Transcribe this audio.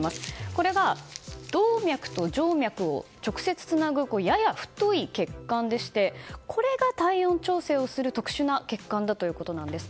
これが動脈と静脈を直接つなぐやや太い血管でしてこれが体温調整をする特殊な血管だということです。